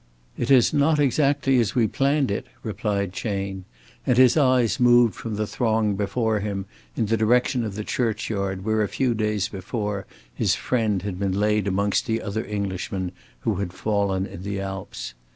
"It is not exactly as we planned it," replied Chayne, and his eyes moved from the throng before him in the direction of the churchyard, where a few days before his friend had been laid amongst the other Englishmen who had fallen in the Alps.